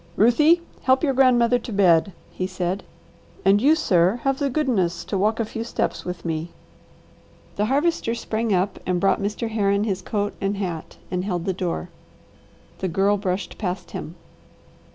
"Ruthie, help your grandmother to bed," he said. "And you, sir, have the goodness to walk a few steps with me." The Harvester sprang up and brought Mr. Herron his coat and hat and held the door. The Girl brushed past him.